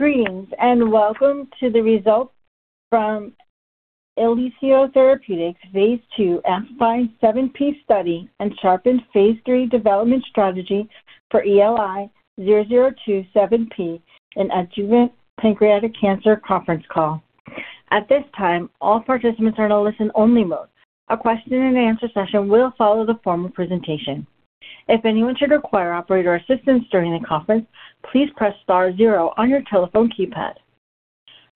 Greetings, welcome to the results from Elicio Therapeutics phase II AMPLIFY-7P Study and Sharpened phase III Development Strategy for ELI-002 7P in Adjuvant Pancreatic Cancer conference call. At this time, all participants are in a listen-only mode. A question and answer session will follow the formal presentation. If anyone should require operator assistance during the conference, please press star zero on your telephone keypad.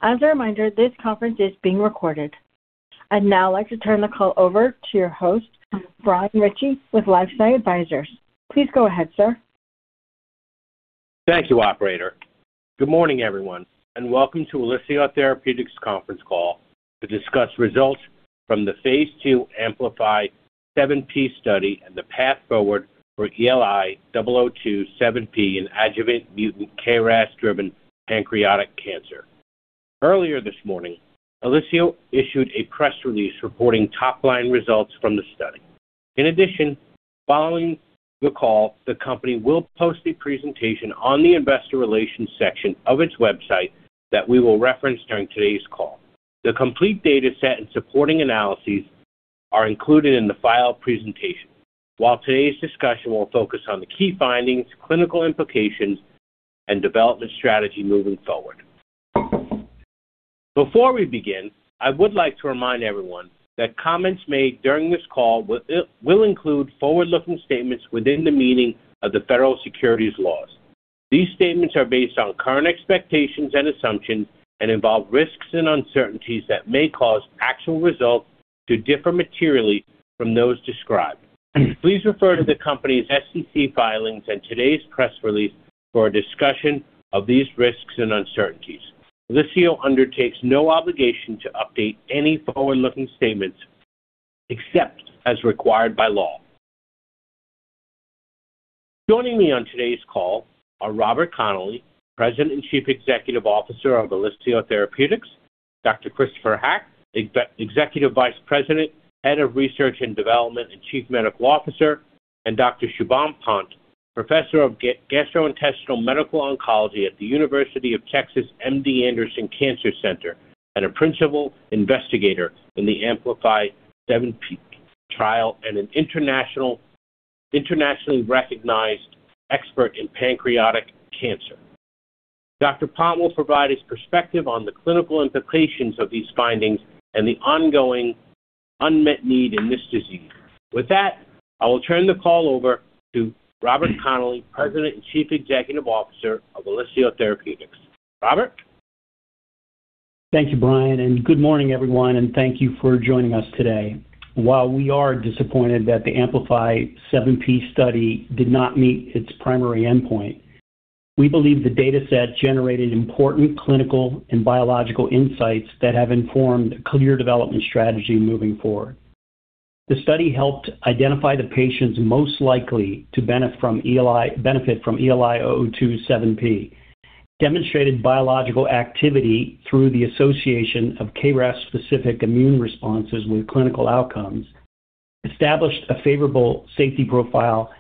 As a reminder, this conference is being recorded. I'd now like to turn the call over to your host, Brian Ritchie, with LifeSci Advisors. Please go ahead, sir. Thank you, operator. Good morning, everyone, welcome to Elicio Therapeutics conference call to discuss results from the phase II AMPLIFY-7P study and the path forward for ELI-002 7P in adjuvant mutant KRAS-driven pancreatic cancer. Earlier this morning, Elicio issued a press release reporting top-line results from the study. In addition, following the call, the company will post a presentation on the investor relations section of its website that we will reference during today's call. The complete data set and supporting analyses are included in the file presentation. While today's discussion will focus on the key findings, clinical implications, and development strategy moving forward. Before we begin, I would like to remind everyone that comments made during this call will include forward-looking statements within the meaning of the federal securities laws. These statements are based on current expectations and assumptions and involve risks and uncertainties that may cause actual results to differ materially from those described. Please refer to the company's SEC filings and today's press release for a discussion of these risks and uncertainties. Elicio undertakes no obligation to update any forward-looking statements except as required by law. Joining me on today's call are Robert Connelly, President and Chief Executive Officer of Elicio Therapeutics, Dr. Christopher Haqq, Executive Vice President, Head of Research and Development and Chief Medical Officer, and Dr. Shubham Pant, Professor of Gastrointestinal Medical Oncology at The University of Texas MD Anderson Cancer Center and a principal investigator in the AMPLIFY-7P trial, and an internationally recognized expert in pancreatic cancer. Dr. Pant will provide his perspective on the clinical implications of these findings and the ongoing unmet need in this disease. With that, I will turn the call over to Robert Connelly, President and Chief Executive Officer of Elicio Therapeutics. Robert? Thank you, Brian, and good morning, everyone, and thank you for joining us today. While we are disappointed that the AMPLIFY-7P study did not meet its primary endpoint, we believe the data set generated important clinical and biological insights that have informed a clear development strategy moving forward. The study helped identify the patients most likely to benefit from ELI-002 7P, demonstrated biological activity through the association of KRAS-specific immune responses with clinical outcomes, established a favorable safety profile,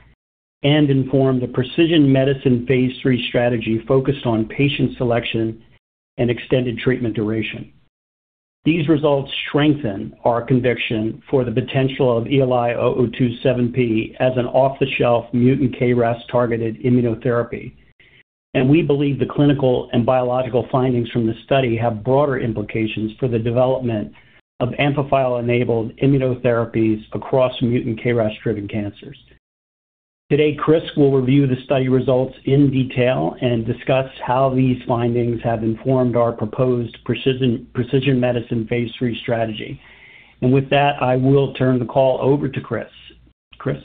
and informed a precision medicine phase III strategy focused on patient selection and extended treatment duration. These results strengthen our conviction for the potential of ELI-002 7P as an off-the-shelf mutant KRAS-targeted immunotherapy, and we believe the clinical and biological findings from this study have broader implications for the development of amphiphile-enabled immunotherapies across mutant KRAS-driven cancers. Today, Chris will review the study results in detail and discuss how these findings have informed our proposed precision medicine phase III strategy. With that, I will turn the call over to Chris. Chris?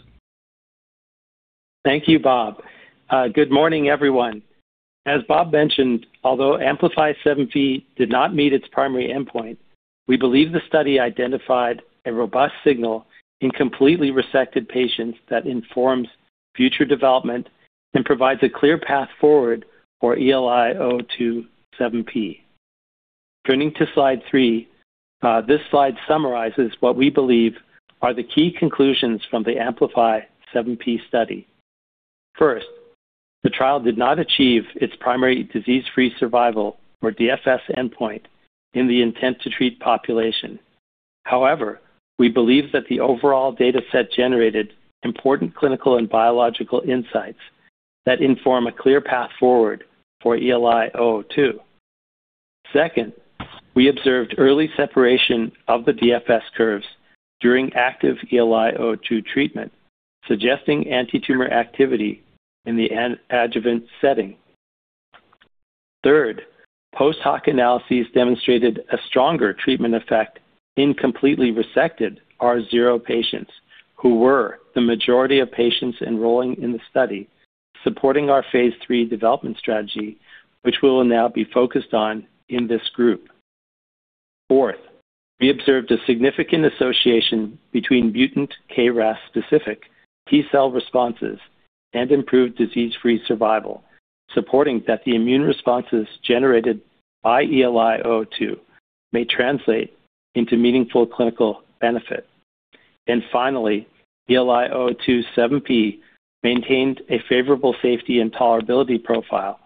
Thank you, Bob. Good morning, everyone. As Bob mentioned, although AMPLIFY-7P did not meet its primary endpoint, we believe the study identified a robust signal in completely resected patients that informs future development and provides a clear path forward for ELI-002 7P. Turning to slide three, this slide summarizes what we believe are the key conclusions from the AMPLIFY-7P study. First, the trial did not achieve its primary disease-free survival, or DFS, endpoint, in the intent-to-treat population. However, we believe that the overall data set generated important clinical and biological insights that inform a clear path forward for ELI-002. Second, we observed early separation of the DFS curves during active ELI-002 treatment, suggesting antitumor activity in the adjuvant setting. Third, post hoc analyses demonstrated a stronger treatment effect in completely resected R0 patients, who were the majority of patients enrolling in the study, supporting our phase III development strategy, which will now be focused on in this group. Fourth, we observed a significant association between mutant KRAS-specific T-cell responses and improved disease-free survival, supporting that the immune responses generated by ELI-002 may translate into meaningful clinical benefit. Finally, ELI-002 7P maintained a favorable safety and tolerability profile,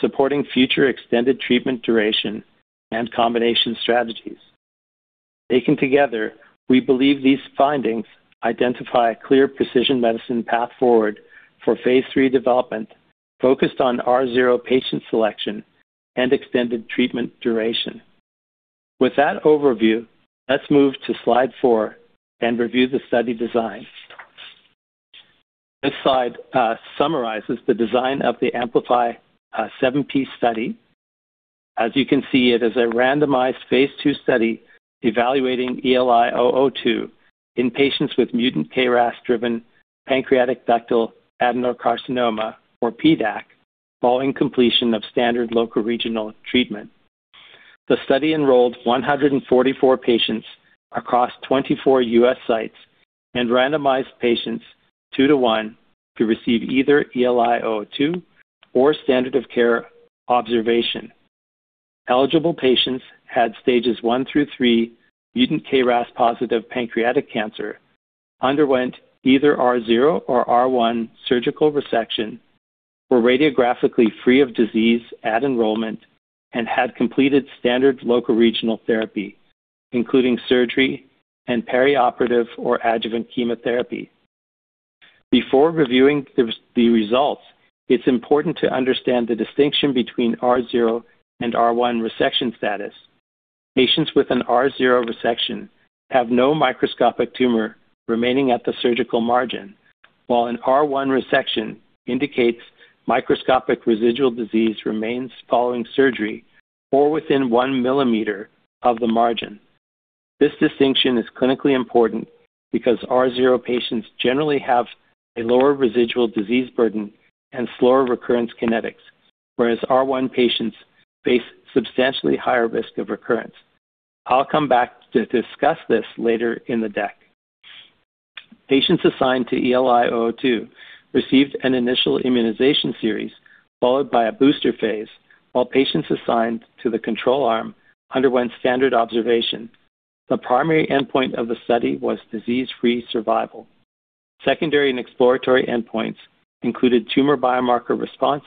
supporting future extended treatment duration and combination strategies. Taken together, we believe these findings identify a clear precision medicine path forward for phase III development focused on R0 patient selection and extended treatment duration. With that overview, let's move to slide four and review the study design. This slide summarizes the design of the AMPLIFY-7P study. As you can see, it is a randomized phase II study evaluating ELI-002 in patients with mutant KRAS driven pancreatic ductal adenocarcinoma or PDAC following completion of standard local regional treatment. The study enrolled 144 patients across 24 U.S. sites and randomized patients 2:1 to receive either ELI-002 or standard of care observation. Eligible patients had stages one through three mutant KRAS positive pancreatic cancer, underwent either R0 or R1 surgical resection, were radiographically free of disease at enrollment, and had completed standard local regional therapy, including surgery and perioperative or adjuvant chemotherapy. Before reviewing the results, it's important to understand the distinction between R0 and R1 resection status. Patients with an R0 resection have no microscopic tumor remaining at the surgical margin. While an R1 resection indicates microscopic residual disease remains following surgery or within 1 millimeter of the margin. This distinction is clinically important because R0 patients generally have a lower residual disease burden and slower recurrence kinetics, whereas R1 patients face substantially higher risk of recurrence. I'll come back to discuss this later in the deck. Patients assigned to ELI-002 received an initial immunization series followed by a booster phase, while patients assigned to the control arm underwent standard observation. The primary endpoint of the study was disease-free survival. Secondary and exploratory endpoints included tumor biomarker response,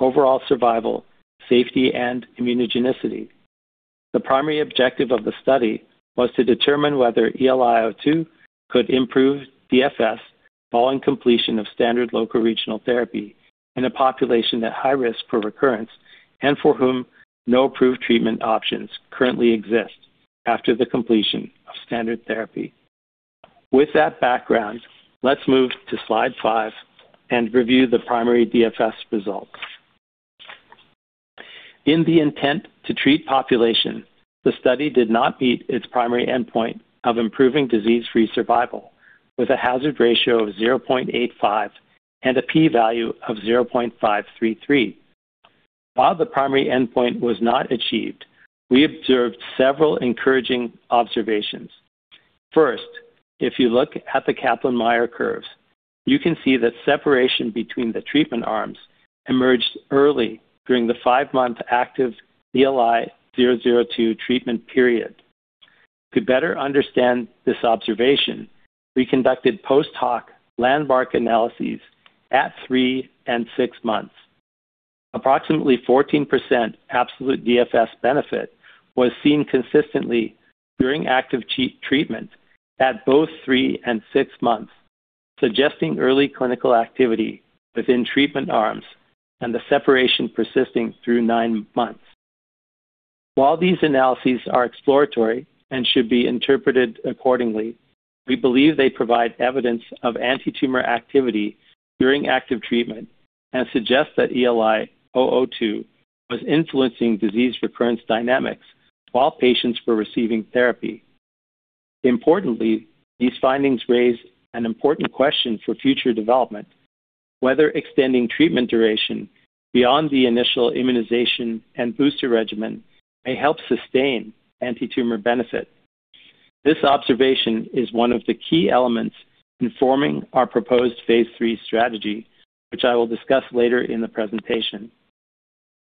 overall survival, safety, and immunogenicity. The primary objective of the study was to determine whether ELI-002 could improve DFS following completion of standard local regional therapy in a population at high risk for recurrence and for whom no approved treatment options currently exist after the completion of standard therapy. With that background, let's move to slide five and review the primary DFS results. In the intent-to-treat population, the study did not meet its primary endpoint of improving disease-free survival, with a hazard ratio of 0.85 and a P value of 0.533. While the primary endpoint was not achieved, we observed several encouraging observations. First, if you look at the Kaplan-Meier curves, you can see that separation between the treatment arms emerged early during the five-month active ELI-002 treatment period. To better understand this observation, we conducted post hoc landmark analyses at three and six months. Approximately 14% absolute DFS benefit was seen consistently during active treatment at both three and six months, suggesting early clinical activity within treatment arms and the separation persisting through nine months. While these analyses are exploratory and should be interpreted accordingly, we believe they provide evidence of antitumor activity during active treatment and suggest that ELI-002 was influencing disease recurrence dynamics while patients were receiving therapy. Importantly, these findings raise an important question for future development, whether extending treatment duration beyond the initial immunization and booster regimen may help sustain antitumor benefit. This observation is one of the key elements informing our proposed phase III strategy, which I will discuss later in the presentation.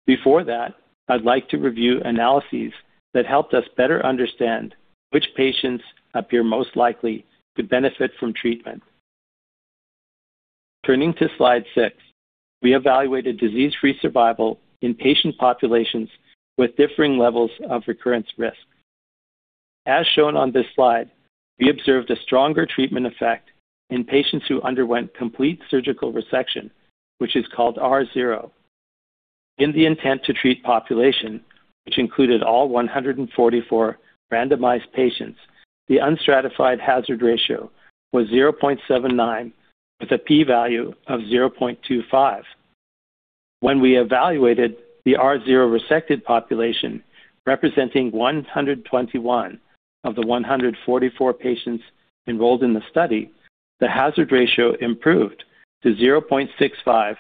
Before that, I'd like to review analyses that helped us better understand which patients appear most likely to benefit from treatment. Turning to slide six, we evaluated disease-free survival in patient populations with differing levels of recurrence risk. As shown on this slide, we observed a stronger treatment effect in patients who underwent complete surgical resection, which is called R0. In the intent-to-treat population, which included all 144 randomized patients, the unstratified hazard ratio was 0.79 with a P value of 0.25. When we evaluated the R0 resected population, representing 121 of the 144 patients enrolled in the study, the hazard ratio improved to 0.65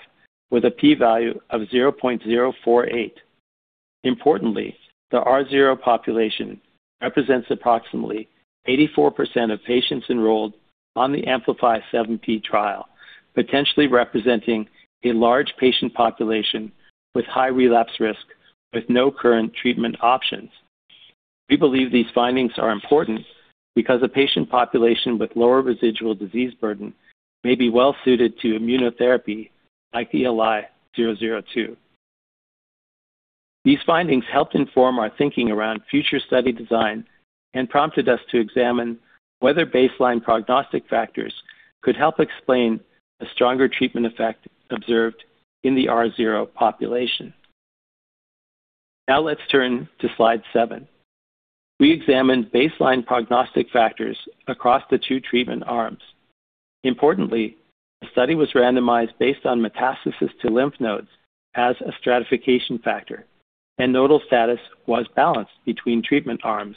with a P value of 0.048. Importantly, the R0 population represents approximately 84% of patients enrolled on the AMPLIFY-7P trial. Potentially representing a large patient population with high relapse risk, with no current treatment options. We believe these findings are important because a patient population with lower residual disease burden may be well suited to immunotherapy like ELI-002. These findings helped inform our thinking around future study design and prompted us to examine whether baseline prognostic factors could help explain a stronger treatment effect observed in the R0 population. Now let's turn to slide seven. We examined baseline prognostic factors across the two treatment arms. Importantly, the study was randomized based on metastasis to lymph nodes as a stratification factor, and nodal status was balanced between treatment arms.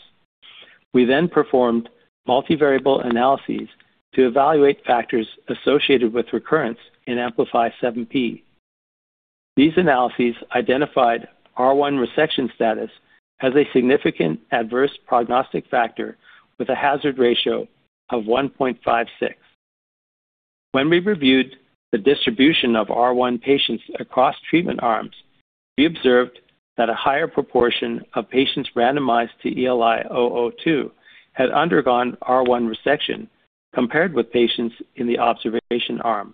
We then performed multivariable analyses to evaluate factors associated with recurrence in AMPLIFY-7P. These analyses identified R1 resection status as a significant adverse prognostic factor with a hazard ratio of 1.56. When we reviewed the distribution of R1 patients across treatment arms, we observed that a higher proportion of patients randomized to ELI-002 had undergone R1 resection compared with patients in the observation arm.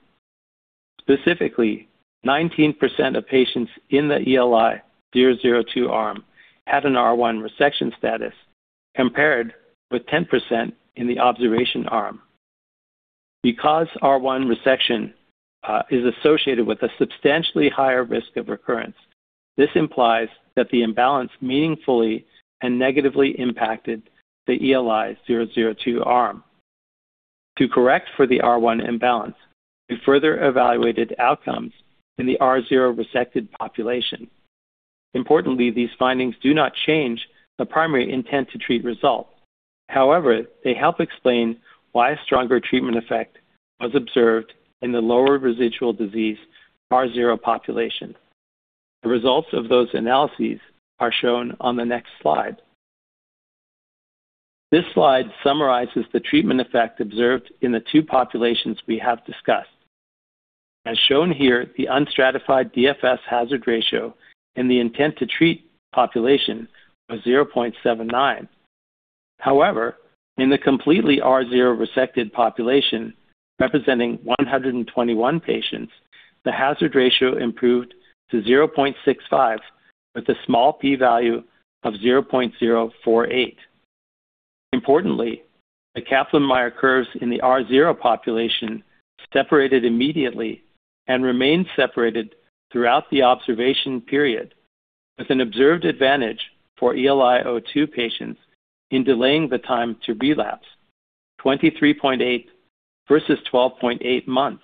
Specifically, 19% of patients in the ELI-002 arm had an R1 resection status compared with 10% in the observation arm. Because R1 resection is associated with a substantially higher risk of recurrence, this implies that the imbalance meaningfully and negatively impacted the ELI-002 arm. To correct for the R1 imbalance, we further evaluated outcomes in the R0 resected population. Importantly, these findings do not change the primary intent-to-treat result. However, they help explain why a stronger treatment effect was observed in the lower residual disease R0 population. The results of those analyses are shown on the next slide. This slide summarizes the treatment effect observed in the two populations we have discussed. As shown here, the unstratified DFS hazard ratio in the intent-to-treat population was 0.79. However, in the completely R0 resected population, representing 121 patients, the hazard ratio improved to 0.65 with a small P value of 0.048. Importantly, the Kaplan-Meier curves in the R0 population separated immediately and remained separated throughout the observation period, with an observed advantage for ELI-002 patients in delaying the time to relapse, 23.8 versus 12.8 months.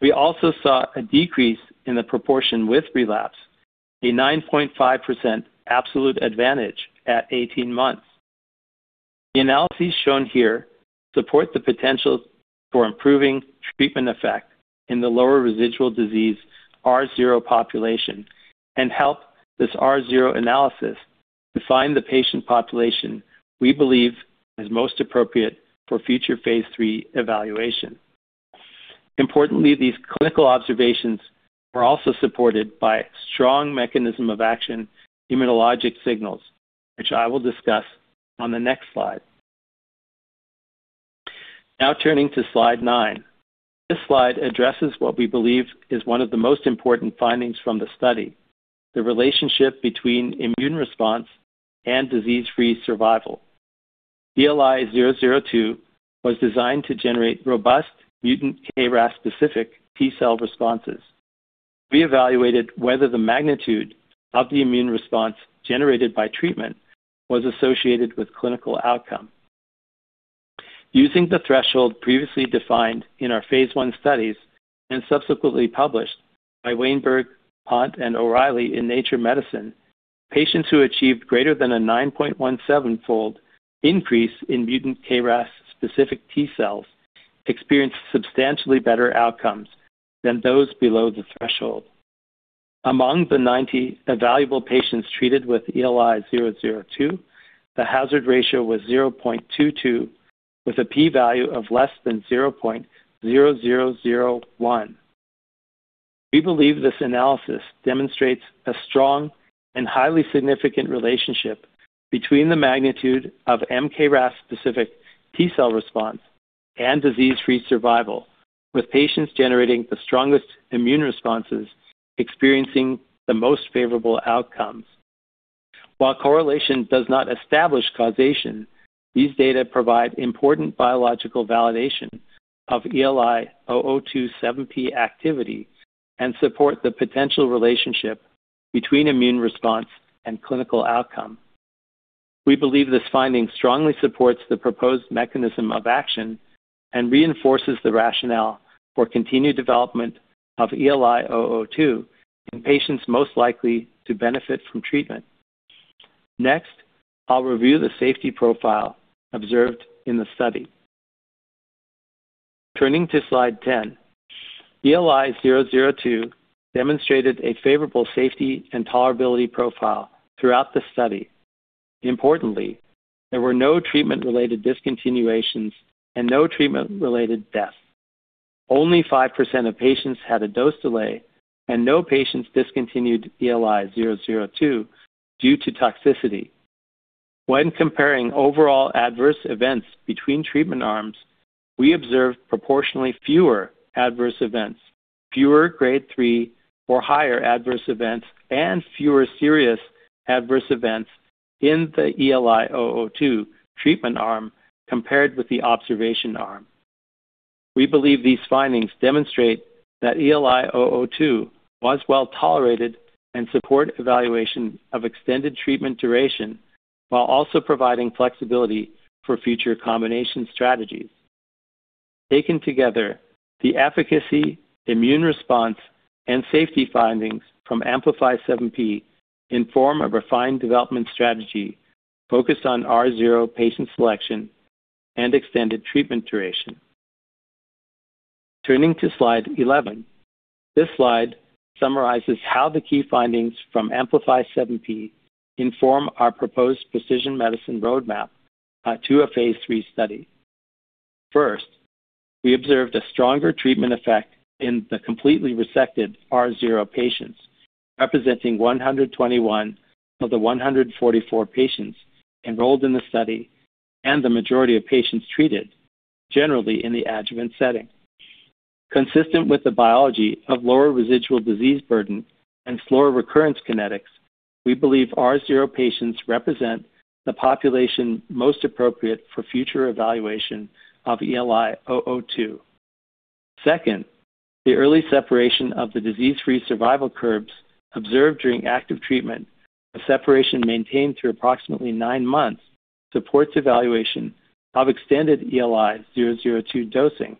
We also saw a decrease in the proportion with relapse, a 9.5% absolute advantage at 18 months. The analyses shown here support the potential for improving treatment effect in the lower residual disease R0 population and help this R0 analysis define the patient population we believe is most appropriate for future phase III evaluation. Importantly, these clinical observations were also supported by strong mechanism of action immunologic signals, which I will discuss on the next slide. Now turning to slide nine. This slide addresses what we believe is one of the most important findings from the study, the relationship between immune response and disease-free survival. ELI-002 was designed to generate robust mutant KRAS-specific T cell responses. We evaluated whether the magnitude of the immune response generated by treatment was associated with clinical outcome. Using the threshold previously defined in our phase I studies and subsequently published by Wainberg, Pant, and O'Reilly in Nature Medicine, patients who achieved greater than a 9.17-fold increase in mutant KRAS-specific T cells experienced substantially better outcomes than those below the threshold. Among the 90 evaluable patients treated with ELI-002, the hazard ratio was 0.22, with a P value of less than 0.0001. We believe this analysis demonstrates a strong and highly significant relationship between the magnitude of mKRAS-specific T cell response and disease-free survival, with patients generating the strongest immune responses experiencing the most favorable outcomes. While correlation does not establish causation, these data provide important biological validation of ELI-002 7P activity and support the potential relationship between immune response and clinical outcome. We believe this finding strongly supports the proposed mechanism of action and reinforces the rationale for continued development of ELI-002 in patients most likely to benefit from treatment. Next, I'll review the safety profile observed in the study. Turning to slide 10. ELI-002 demonstrated a favorable safety and tolerability profile throughout the study. Importantly, there were no treatment-related discontinuations and no treatment-related deaths. Only 5% of patients had a dose delay, and no patients discontinued ELI-002 due to toxicity. When comparing overall adverse events between treatment arms, we observed proportionally fewer adverse events, fewer Grade 3 or higher adverse events, and fewer serious adverse events in the ELI-002 treatment arm compared with the observation arm. We believe these findings demonstrate that ELI-002 was well-tolerated and support evaluation of extended treatment duration while also providing flexibility for future combination strategies. Taken together, the efficacy, immune response, and safety findings from AMPLIFY-7P inform a refined development strategy focused on R0 patient selection and extended treatment duration. Turning to slide 11. This slide summarizes how the key findings from AMPLIFY-7P inform our proposed precision medicine roadmap to a phase III study. First, we observed a stronger treatment effect in the completely resected R0 patients, representing 121 of the 144 patients enrolled in the study and the majority of patients treated, generally in the adjuvant setting. Consistent with the biology of lower residual disease burden and slower recurrence kinetics, we believe R0 patients represent the population most appropriate for future evaluation of ELI-002. Second, the early separation of the disease-free survival curves observed during active treatment, a separation maintained through approximately nine months, supports evaluation of extended ELI-002 dosing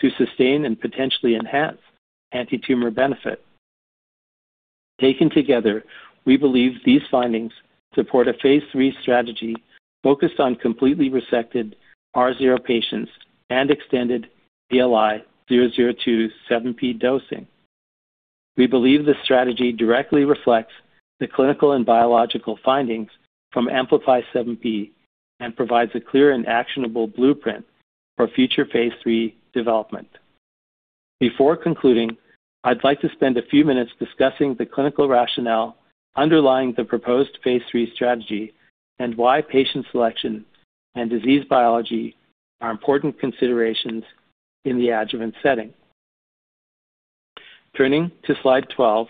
to sustain and potentially enhance antitumor benefit. Taken together, we believe these findings support a phase III strategy focused on completely resected R0 patients and extended ELI-002 7P dosing. We believe this strategy directly reflects the clinical and biological findings from AMPLIFY-7P and provides a clear and actionable blueprint for future phase III development. Before concluding, I'd like to spend a few minutes discussing the clinical rationale underlying the proposed phase III strategy and why patient selection and disease biology are important considerations in the adjuvant setting. Turning to slide 12.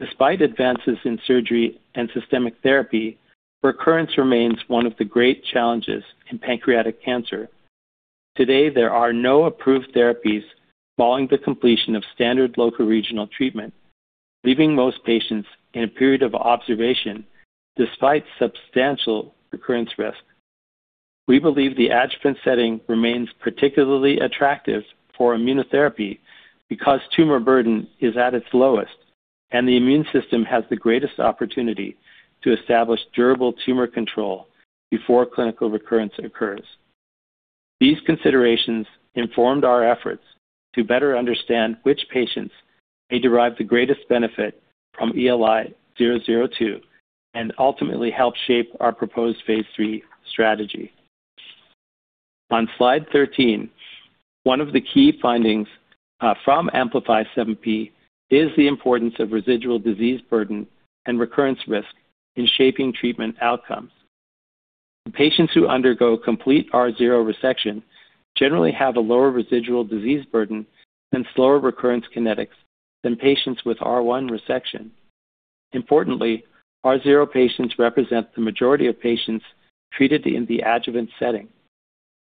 Despite advances in surgery and systemic therapy, recurrence remains one of the great challenges in pancreatic cancer. Today, there are no approved therapies following the completion of standard locoregional treatment, leaving most patients in a period of observation despite substantial recurrence risk. We believe the adjuvant setting remains particularly attractive for immunotherapy because tumor burden is at its lowest and the immune system has the greatest opportunity to establish durable tumor control before clinical recurrence occurs. These considerations informed our efforts to better understand which patients may derive the greatest benefit from ELI-002 and ultimately help shape our proposed phase III strategy. On slide 13, one of the key findings from AMPLIFY-7P is the importance of residual disease burden and recurrence risk in shaping treatment outcomes. Patients who undergo complete R0 resection generally have a lower residual disease burden and slower recurrence kinetics than patients with R1 resection. Importantly, R0 patients represent the majority of patients treated in the adjuvant setting.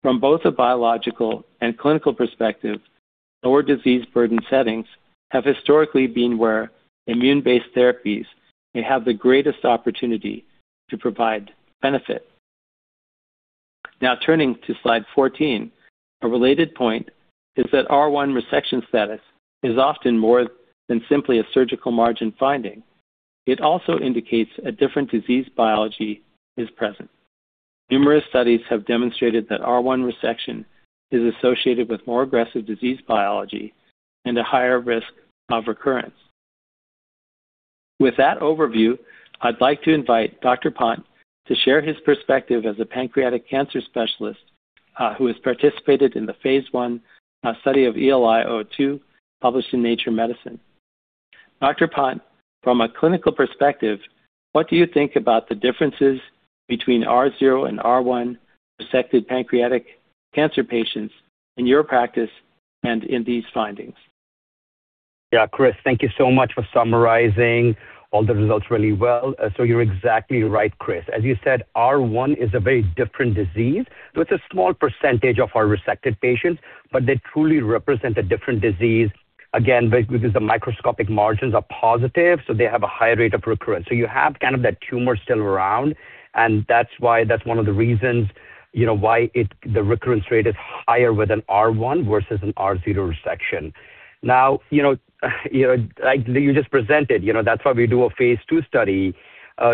From both a biological and clinical perspective, lower disease burden settings have historically been where immune-based therapies may have the greatest opportunity to provide benefit. Turning to slide 14. A related point is that R1 resection status is often more than simply a surgical margin finding. It also indicates a different disease biology is present. Numerous studies have demonstrated that R1 resection is associated with more aggressive disease biology and a higher risk of recurrence. With that overview, I'd like to invite Dr. Pant to share his perspective as a pancreatic cancer specialist who has participated in the phase I study of ELI-002, published in "Nature Medicine." Dr. Pant, from a clinical perspective, what do you think about the differences between R0 and R1 resected pancreatic cancer patients in your practice and in these findings? Chris, thank you so much for summarizing all the results really well. You're exactly right, Chris. As you said, R1 is a very different disease. It's a small percentage of our resected patients, but they truly represent a different disease, again, because the microscopic margins are positive, so they have a higher rate of recurrence. You have kind of that tumor still around, and that's one of the reasons why the recurrence rate is higher with an R1 versus an R0 resection. Like you just presented, that's why we do a phase II study,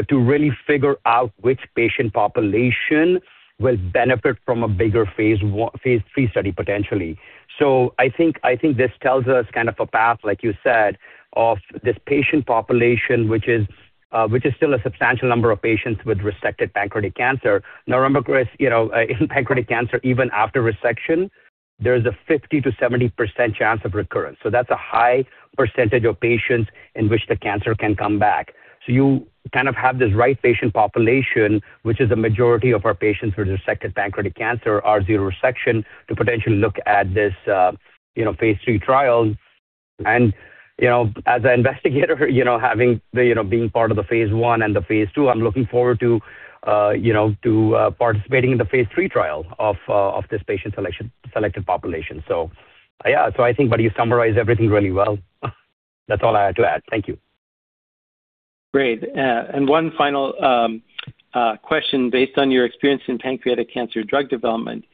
to really figure out which patient population will benefit from a bigger phase III study, potentially. I think this tells us kind of a path, like you said, of this patient population, which is still a substantial number of patients with resected pancreatic cancer. Remember, Chris, in pancreatic cancer, even after resection, there's a 50%-70% chance of recurrence. That's a high percentage of patients in which the cancer can come back. You kind of have this right patient population, which is a majority of our patients with resected pancreatic cancer, R0 resection, to potentially look at this phase III trial. As an investigator being part of the phase I and the phase II, I'm looking forward to participating in the phase III trial of this patient-selected population. I think, Chris, you summarized everything really well. That's all I had to add. Thank you. Great. One final question. Based on your experience in pancreatic cancer drug development,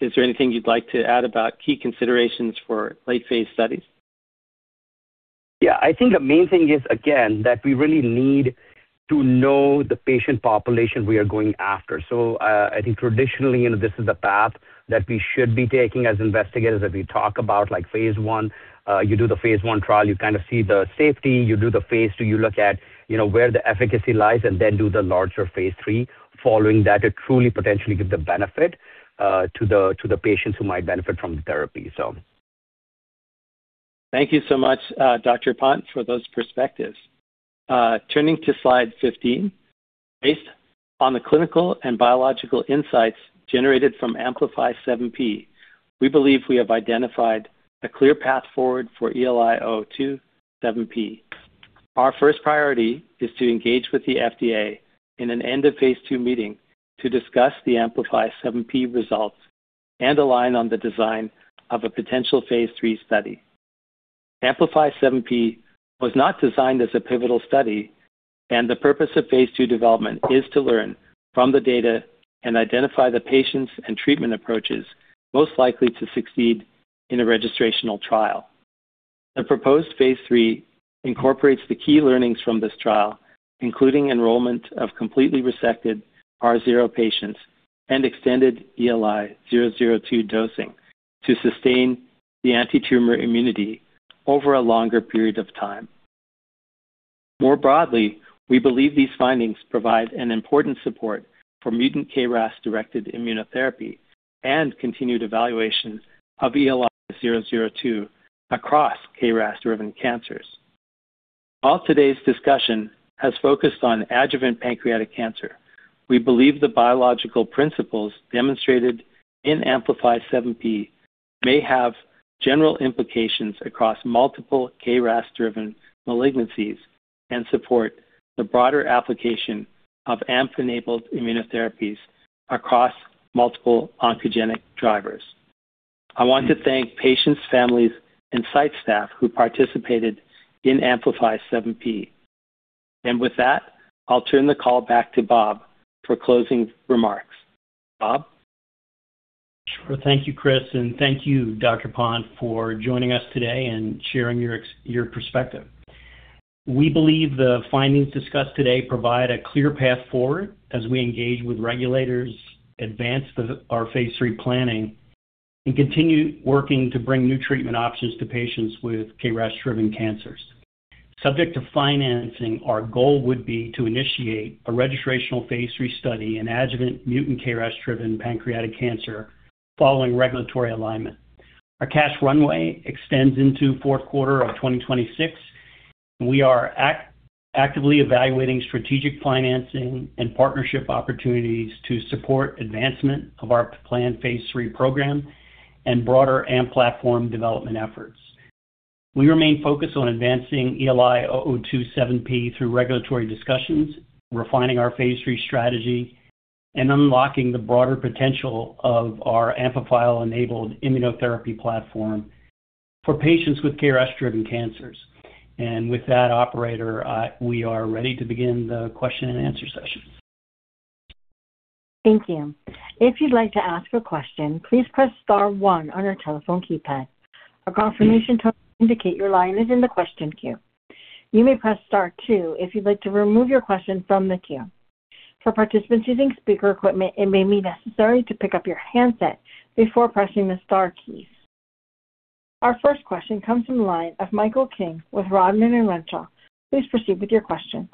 is there anything you'd like to add about key considerations for late-phase studies? Yeah. I think the main thing is, again, that we really need to know the patient population we are going after. I think traditionally, this is the path that we should be taking as investigators. If we talk about phase I, you do the phase I trial, you kind of see the safety, you do the phase II, you look at where the efficacy lies then do the larger phase III following that to truly potentially give the benefit to the patients who might benefit from the therapy. Thank you so much, Dr. Pant, for those perspectives. Turning to slide 15. Based on the clinical and biological insights generated from AMPLIFY-7P, we believe we have identified a clear path forward for ELI-002 7P. Our first priority is to engage with the FDA in an end-of-phase II meeting to discuss the AMPLIFY-7P results and align on the design of a potential phase III study. AMPLIFY-7P was not designed as a pivotal study, and the purpose of phase II development is to learn from the data and identify the patients and treatment approaches most likely to succeed in a registrational trial. The proposed phase III incorporates the key learnings from this trial, including enrollment of completely resected R0 patients and extended ELI-002 dosing to sustain the antitumor immunity over a longer period of time. More broadly, we believe these findings provide an important support for mutant KRAS-directed immunotherapy and continued evaluations of ELI-002 across KRAS-driven cancers. While today's discussion has focused on adjuvant pancreatic cancer, we believe the biological principles demonstrated in AMPLIFY-7P may have general implications across multiple KRAS-driven malignancies and support the broader application of AMP-enabled immunotherapies across multiple oncogenic drivers. I want to thank patients, families, and site staff who participated in AMPLIFY-7P. With that, I'll turn the call back to Bob for closing remarks. Bob? Sure. Thank you, Chris, and thank you, Dr. Pant, for joining us today and sharing your perspective. We believe the findings discussed today provide a clear path forward as we engage with regulators, advance our phase III planning, and continue working to bring new treatment options to patients with KRAS-driven cancers. Subject to financing, our goal would be to initiate a registrational phase III study in adjuvant mutant KRAS-driven pancreatic cancer following regulatory alignment. Our cash runway extends into the fourth quarter of 2026, and we are actively evaluating strategic financing and partnership opportunities to support the advancement of our planned phase III program and broader AMP platform development efforts. We remain focused on advancing ELI-002 7P through regulatory discussions, refining our phase III strategy, and unlocking the broader potential of our AMP-enabled immunotherapy platform for patients with KRAS-driven cancers. With that operator, we are ready to begin the question and answer session. Thank you. If you'd like to ask a question, please press star one on your telephone keypad. A confirmation tone will indicate your line is in the question queue. You may press star two if you'd like to remove your question from the queue. For participants using speaker equipment, it may be necessary to pick up your handset before pressing the star keys. Our first question comes from the line of Michael King with Rodman & Renshaw. Please proceed with your question.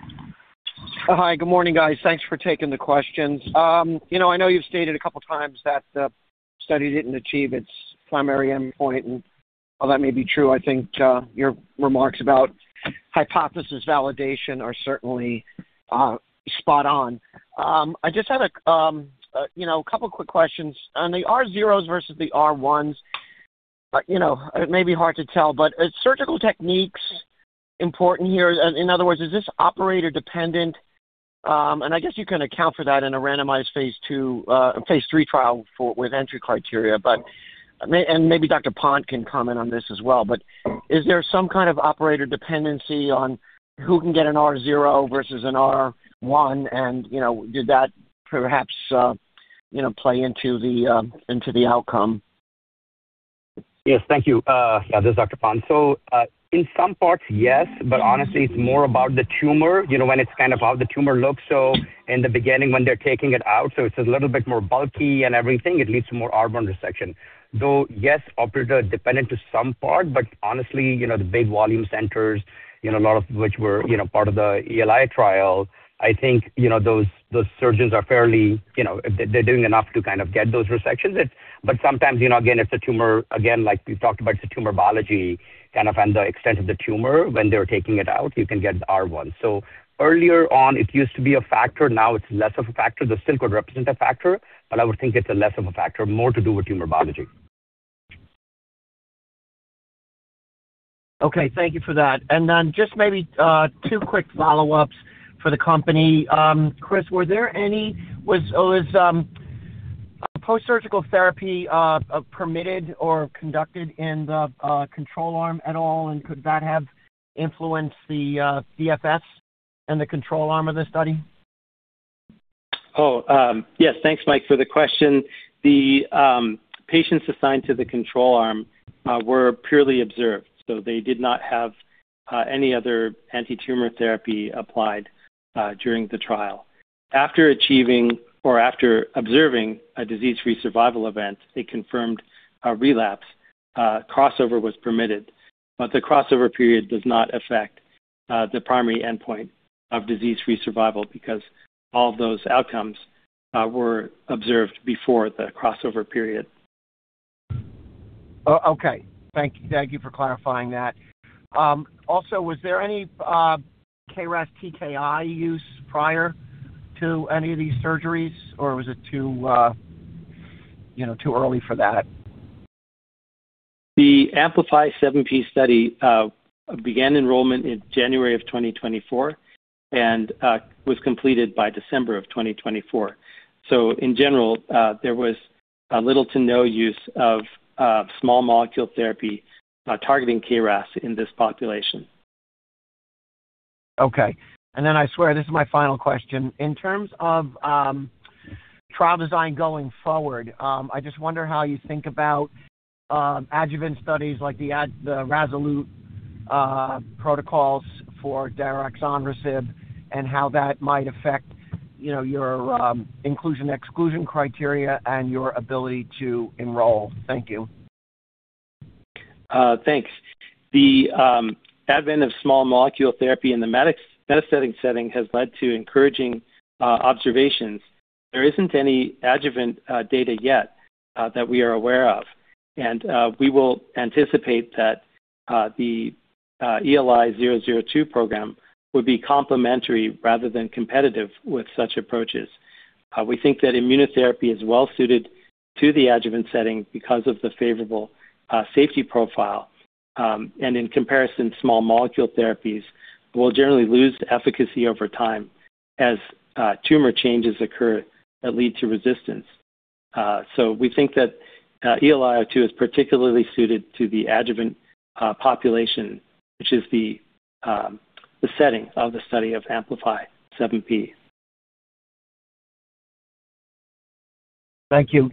Hi. Good morning, guys. Thanks for taking the questions. I know you've stated a couple of times that the study didn't achieve its primary endpoint, and while that may be true, I think your remarks about hypothesis validation are certainly spot on. I just had a couple of quick questions. On the R0s versus the R1s. It may be hard to tell, but are surgical techniques important here? In other words, is this operator-dependent? I guess you can account for that in a randomized phase III trial with entry criteria. Maybe Dr. Pant can comment on this as well, but is there some kind of operator dependency on who can get an R0 versus an R1, and did that perhaps play into the outcome? Yes, thank you. Yeah, this is Dr. Pant. In some parts, yes. Honestly, it's more about the tumor, when it's kind of how the tumor looks. In the beginning when they're taking it out, it's a little bit bulkier and everything, it leads to more R1 resection. Though, yes, operator-dependent to some part, honestly, the big volume centers, a lot of which were part of the ELI trial, I think those surgeons are doing enough to kind of get those resections. Sometimes, again, it's the tumor. Again, like we've talked about, it's the tumor biology and the extent of the tumor when they're taking it out, you can get R1. Earlier on, it used to be a factor. Now it's less of a factor. They still could represent a factor, I would think it's less of a factor, more to do with tumor biology. Okay, thank you for that. Just maybe two quick follow-ups for the company. Chris, was post-surgical therapy permitted or conducted in the control arm at all, and could that have influenced the DFS in the control arm of the study? Yes. Thanks, Mike, for the question. The patients assigned to the control arm were purely observed, they did not have any other anti-tumor therapy applied during the trial. After achieving or after observing a disease-free survival event, a confirmed relapse crossover was permitted. The crossover period does not affect the primary endpoint of disease-free survival because all those outcomes were observed before the crossover period. Okay. Thank you for clarifying that. Also, was there any KRAS TKI use prior to any of these surgeries, or was it too early for that? The AMPLIFY-7P study began enrollment in January of 2024 and was completed by December of 2024. In general, there was little to no use of small molecule therapy targeting KRAS in this population. Okay. I swear this is my final question. In terms of trial design going forward, I just wonder how you think about adjuvant studies like the RASolute protocols for daraxonrasib and how that might affect your inclusion/exclusion criteria and your ability to enroll. Thank you. Thanks. The advent of small molecule therapy in the metastatic setting has led to encouraging observations. There isn't any adjuvant data yet that we are aware of. We will anticipate that the ELI-002 program would be complementary rather than competitive with such approaches. We think that immunotherapy is well-suited to the adjuvant setting because of the favorable safety profile. In comparison, small molecule therapies will generally lose efficacy over time as tumor changes occur that lead to resistance. We think that ELI-002 is particularly suited to the adjuvant population, which is the setting of the study of AMPLIFY-7P. Thank you.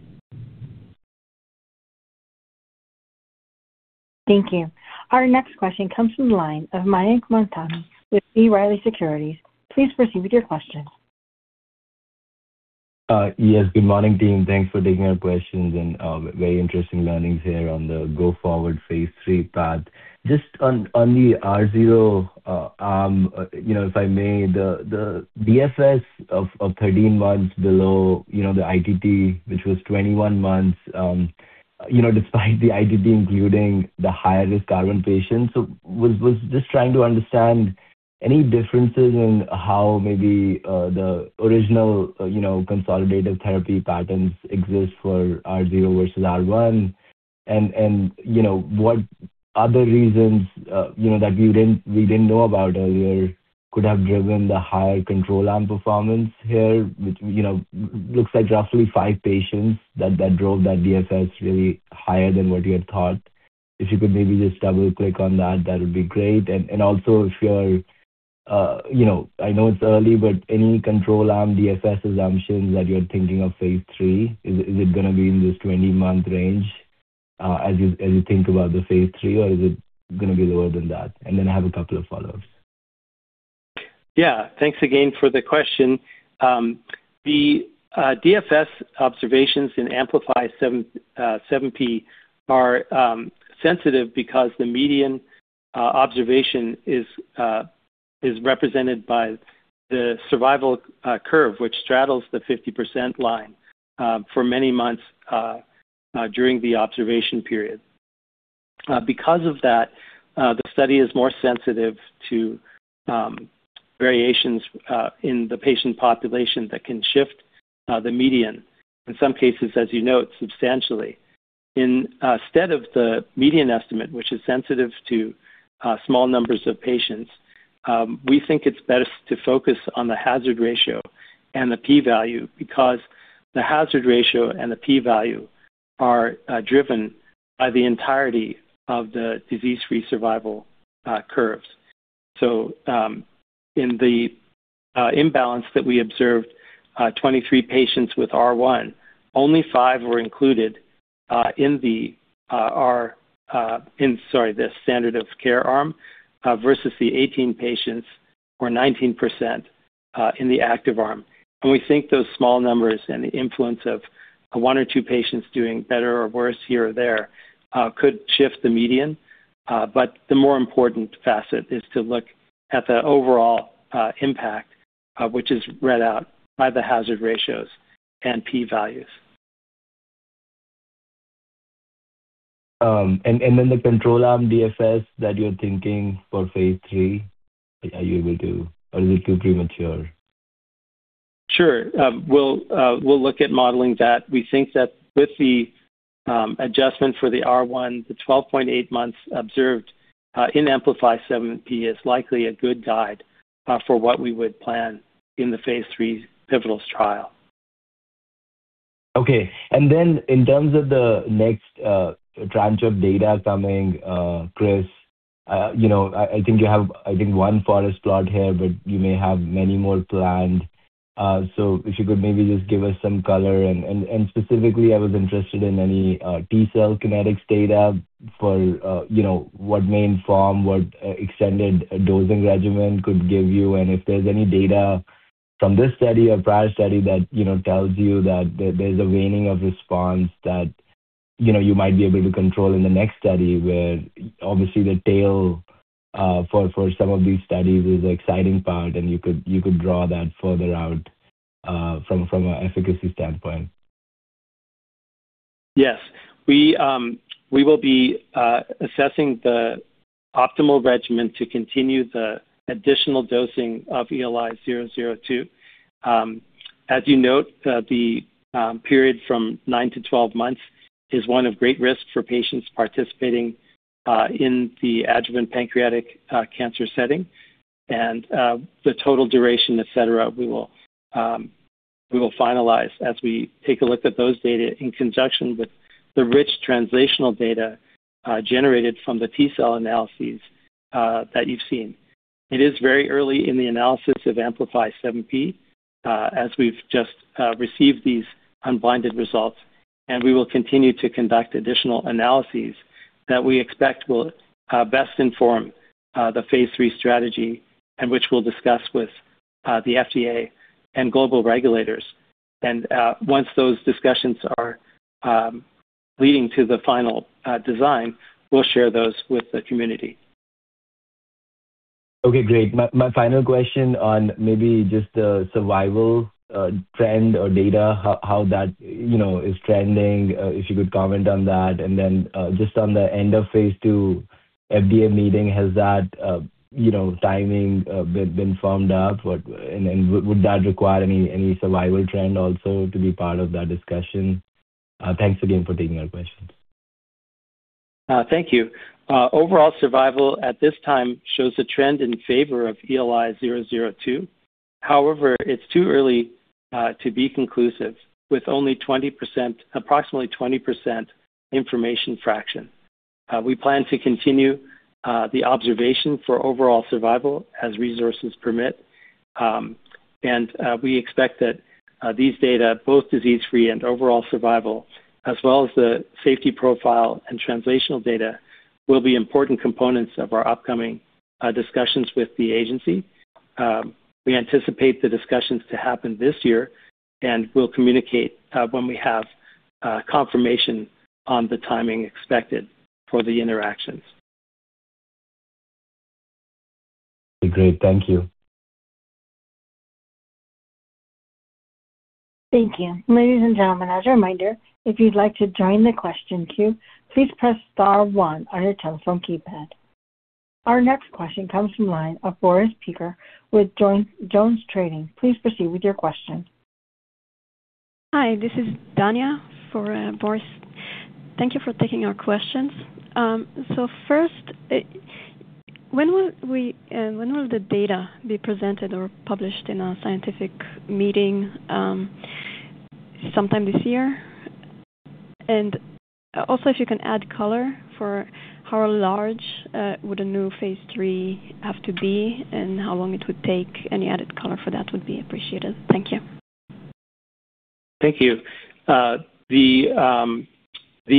Thank you. Our next question comes from the line of Mayank Mamtani with B. Riley Securities. Please proceed with your question. Yes. Good morning, team. Thanks for taking our questions and very interesting learnings here on the go-forward phase III path. Just on the R0 arm, if I may, the DFS of 13 months below the ITT, which was 21 months, despite the ITT including the high-risk R1 patients. Was just trying to understand any differences in how maybe the original consolidated therapy patterns exist for R0 versus R1 and what other reasons that we didn't know about earlier could have driven the higher control arm performance here, which looks like roughly five patients that drove that DFS really higher than what you had thought. If you could maybe just double-click on that would be great. I know it's early, but any control arm DFS assumptions that you're thinking of phase III, is it going to be in this 20-month range, as you think about the phase III, or is it going to be lower than that? I have a couple of follow-ups. Thanks again for the question. The DFS observations in AMPLIFY-7P are sensitive because the median observation is represented by the survival curve, which straddles the 50% line for many months during the observation period. Because of that, the study is more sensitive to variations in the patient population that can shift the median, in some cases, as you note, substantially. Instead of the median estimate, which is sensitive to small numbers of patients, we think it's best to focus on the hazard ratio and the P value because the hazard ratio and the P value are driven by the entirety of the disease-free survival curves. In the imbalance that we observed, 23 patients with R1, only five were included in the standard of care arm versus the 18 patients or 19% in the active arm. We think those small numbers and the influence of one or two patients doing better or worse here or there could shift the median. The more important facet is to look at the overall impact, which is read out by the hazard ratios and P values. The control arm DFS that you're thinking for phase III, are you able to, or is it too premature? Sure. We'll look at modeling that. We think that with the adjustment for the R1, the 12.8 months observed in AMPLIFY-7P is likely a good guide for what we would plan in the phase III pivotal trial. Okay. In terms of the next tranche of data coming, Chris, I think you have one forest plot here, but you may have many more planned. If you could maybe just give us some color and, specifically, I was interested in any T-cell kinetics data for what main form, what extended dosing regimen could give you, and if there's any data from this study or prior study that tells you that there's a waning of response that you might be able to control in the next study, where obviously the tail for some of these studies is the exciting part, and you could draw that further out from an efficacy standpoint. Yes. We will be assessing the optimal regimen to continue the additional dosing of ELI-002. As you note, the period from 9-12 months is one of great risk for patients participating in the adjuvant pancreatic cancer setting, and the total duration, et cetera, we will finalize as we take a look at those data in conjunction with the rich translational data generated from the T-cell analyses that you've seen. It is very early in the analysis of AMPLIFY-7P, as we've just received these unblinded results, and we will continue to conduct additional analyses that we expect will best inform the phase III strategy and which we'll discuss with the FDA and global regulators. Once those discussions are leading to the final design, we'll share those with the community. Okay, great. My final question on maybe just the survival trend or data, how that is trending, if you could comment on that. Just on the end of phase II FDA meeting, has that timing been firmed up? Would that require any survival trend also to be part of that discussion? Thanks again for taking our questions. Thank you. Overall survival at this time shows a trend in favor of ELI-002. However, it's too early to be conclusive with only approximately 20% information fraction. We plan to continue the observation for overall survival as resources permit. We expect that these data, both disease-free and overall survival, as well as the safety profile and translational data, will be important components of our upcoming discussions with the agency. We anticipate the discussions to happen this year, and we'll communicate when we have confirmation on the timing expected for the interactions. Great. Thank you. Thank you. Ladies and gentlemen, as a reminder, if you'd like to join the question queue, please press star one on your telephone keypad. Our next question comes from the line of Boris Peaker with JonesTrading. Please proceed with your question. Hi, this is Dania for Boris. Thank you for taking our questions. First, when will the data be presented or published in a scientific meeting? Sometime this year? Also, if you can add color for how large would a new phase III have to be and how long it would take. Any added color for that would be appreciated. Thank you. Thank you.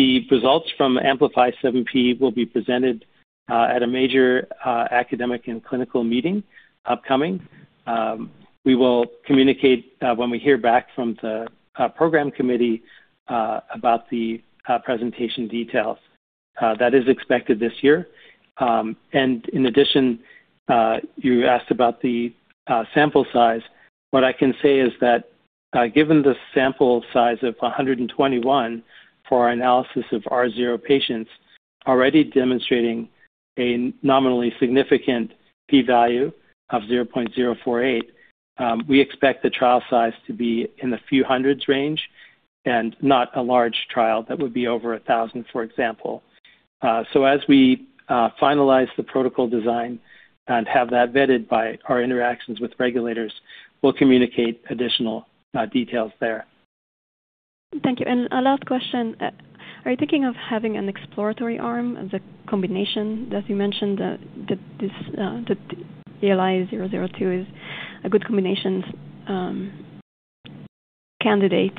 The results from AMPLIFY-7P will be presented at a major academic and clinical meeting upcoming. We will communicate when we hear back from the program committee about the presentation details. That is expected this year. In addition, you asked about the sample size. What I can say is that, given the sample size of 121 for our analysis of R0 patients already demonstrating a nominally significant P value of 0.048, we expect the trial size to be in the few hundreds range and not a large trial that would be over 1,000, for example. As we finalize the protocol design and have that vetted by our interactions with regulators, we'll communicate additional details there. Thank you. A last question. Are you thinking of having an exploratory arm of the combination, as you mentioned that ELI-002 is a good combination candidate?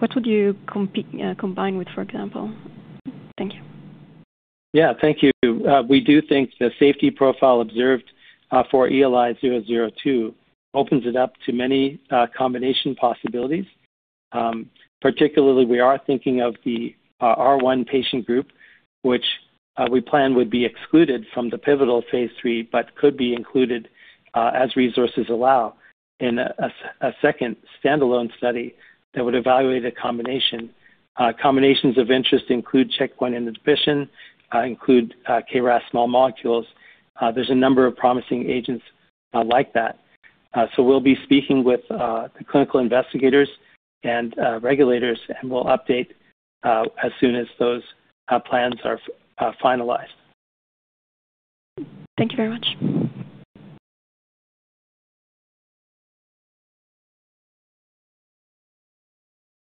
What would you combine with, for example? Thank you. Yeah. Thank you. We do think the safety profile observed for ELI-002 opens it up to many combination possibilities. Particularly, we are thinking of the R1 patient group, which we plan would be excluded from the pivotal phase III, but could be included, as resources allow, in a second standalone study that would evaluate a combination. Combinations of interest include checkpoint inhibition, include KRAS small molecules. There's a number of promising agents like that. We'll be speaking with the clinical investigators and regulators, and we'll update as soon as those plans are finalized. Thank you very much.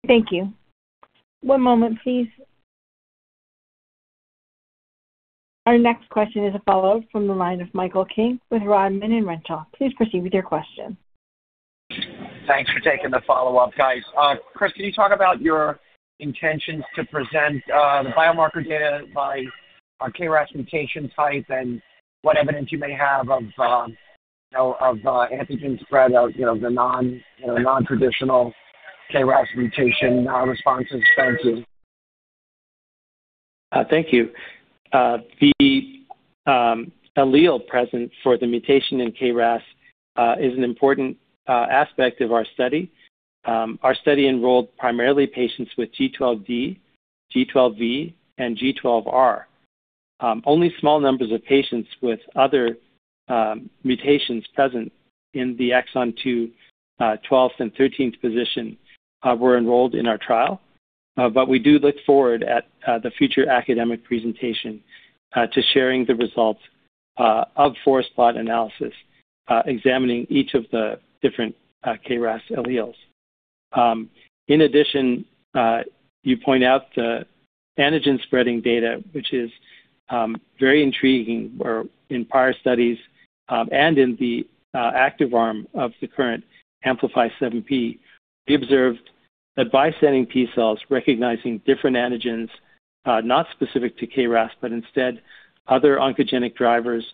Thank you. One moment, please. Our next question is a follow-up from the line of Michael King with Rodman & Renshaw. Please proceed with your question. Thanks for taking the follow-up, guys. Chris, can you talk about your intentions to present the biomarker data by KRAS mutation type and what evidence you may have of antigen spreading of the non-traditional KRAS mutation responses? Thank you. Thank you. The allele present for the mutation in KRAS is an important aspect of our study. Our study enrolled primarily patients with G12D, G12V, and G12R. Only small numbers of patients with other mutations present in the exon 2, 12th, and 13th position were enrolled in our trial. We do look forward at the future academic presentation to sharing the results of ELISpot analysis examining each of the different KRAS alleles. In addition, you point out the antigen spreading data, which is very intriguing, where in prior studies and in the active arm of the current AMPLIFY-7P, we observed that bystander T-cells recognizing different antigens, not specific to KRAS, but instead other oncogenic drivers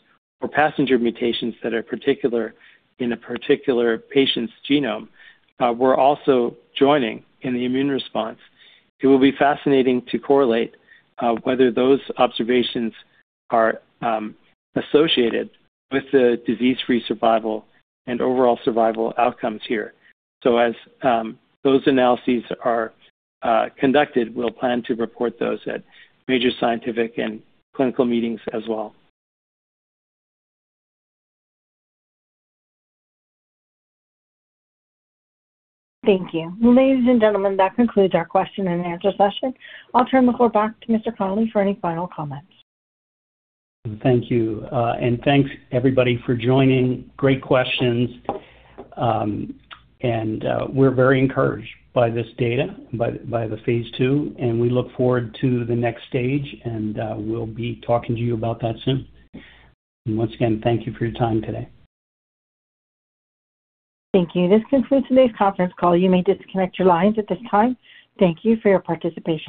or passenger mutations that are in a particular patient's genome, were also joining in the immune response. It will be fascinating to correlate whether those observations are associated with the disease-free survival and overall survival outcomes here. As those analyses are conducted, we'll plan to report those at major scientific and clinical meetings as well. Thank you. Ladies and gentlemen, that concludes our question-and-answer session. I'll turn the floor back to Mr. Connelly for any final comments. Thank you. Thanks everybody for joining. Great questions. We're very encouraged by this data, by the phase II, and we look forward to the next stage, and we'll be talking to you about that soon. Once again, thank you for your time today. Thank you. This concludes today's conference call. You may disconnect your lines at this time. Thank you for your participation.